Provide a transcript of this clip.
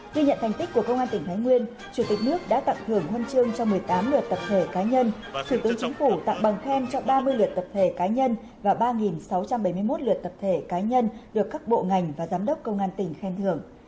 ghi nhận thành tích của công an tỉnh thái nguyên chủ tịch nước đã tặng thưởng huân chương cho một mươi tám lượt tập thể cá nhân thủ tướng chính phủ tặng bằng khen cho ba mươi lượt tập thể cá nhân và ba sáu trăm bảy mươi một lượt tập thể cá nhân được các bộ ngành và giám đốc công an tỉnh khen thưởng